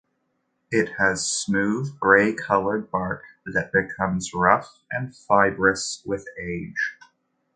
It has smooth grey coloured bark that becomes rough and fibrous with age.